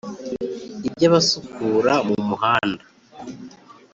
iby’abasukura mumuhanda